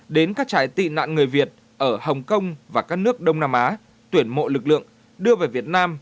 đến các trại tị nạn người việt ở hồng kông và các nước đông nam á tuyển mộ lực lượng đưa về việt nam